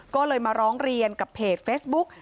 ก็เลยมาร้องเรียนกับเพจเฟซบุ๊ก